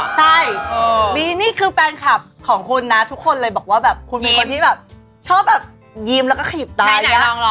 ใช่นี่คือแฟนคลับของคุณนะทุกคนเลยบอกว่าแบบคุณเป็นคนที่แบบชอบแบบยิ้มแล้วก็ขยิบตา